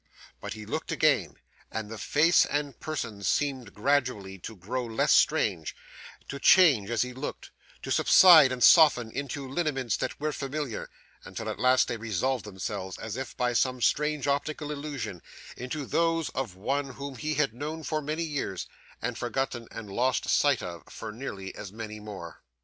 But he looked again, and the face and person seemed gradually to grow less strange; to change as he looked, to subside and soften into lineaments that were familiar, until at last they resolved themselves, as if by some strange optical illusion, into those of one whom he had known for many years, and forgotten and lost sight of for nearly as many more.